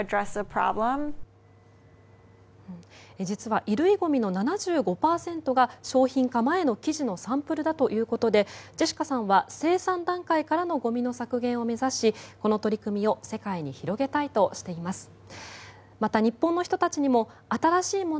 実は衣類ゴミの７５％が商品化前の生地のサンプルだということでジェシカさんは生産段階からのゴミの削減を目指しこの取り組みを世界に広げたいとしています。